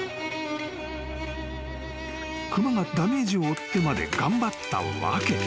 ［熊がダメージを負ってまで頑張った訳］